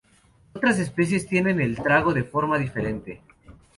Otras especies tienen el trago de forma diferente.